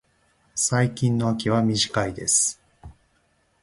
最近の秋は短いです。